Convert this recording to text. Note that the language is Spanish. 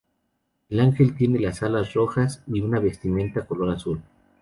El ángel tiene las alas rojas y una vestimenta color azul.